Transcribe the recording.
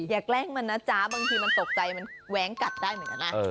แกแกล้งมันนะจ๊ะบางทีมันตกใจมันแว้งกัดได้เหมือนกันนะ